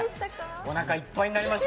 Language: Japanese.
おなかいっぱいになりました。